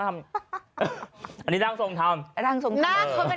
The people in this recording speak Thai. อันนี้ร่างทรงทำ